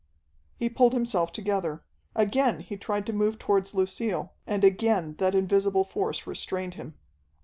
He pulled himself together. Again he tried to move towards Lucille, and again that invisible force restrained him.